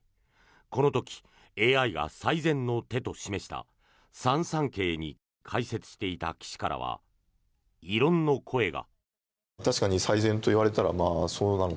この時、ＡＩが最善の手と示した３三桂に解説していた棋士からは異論の声が。